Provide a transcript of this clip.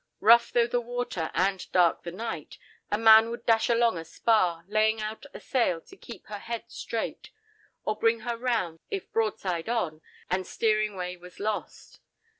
Rough though the water, and dark the night, a man would dash along a spar, laying out a sail to keep her head straight, or bring her round, if broadside on and steering way was lost.